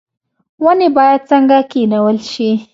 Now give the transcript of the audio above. ونې باید څنګه کینول شي؟